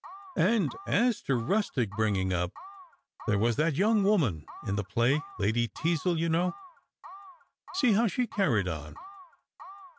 And as to rustic bringing up, there was that young woman in the play — Lady Teazle, you know. See how she carried on."